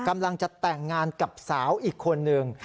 กำลังจะแต่งงานกับสาวอีกคนนึง